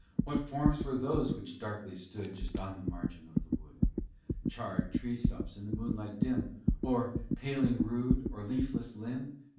What forms were those which darkly stood Just on the margin of the wood? Charred tree stumps in the moonlight dim, Or paling rude, or leafless limb?